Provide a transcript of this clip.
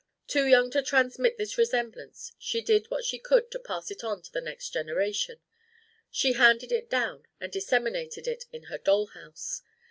Too young to transmit this resemblance, she did what she could to pass it on to the next generation: she handed it down and disseminated it in her doll house.